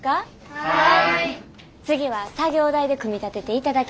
はい！